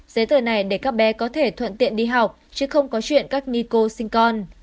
giấy tờ này để các bé có thể thuận tiện đi học chứ không có chuyện các nico sinh con